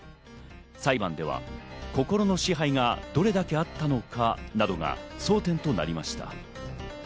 裁判では心の支配がどれだけあったのかなどが争点となりました。